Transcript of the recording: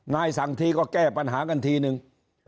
สั่งทีก็แก้ปัญหากันทีนึง